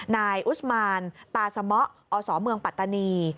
นายอุสมานตาสมะอสเมืองปัตตานี